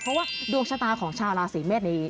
เพราะว่าดวงชะตาของชาวราศีเมษนี้